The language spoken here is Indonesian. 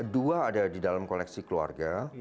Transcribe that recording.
dua ada di dalam koleksi keluarga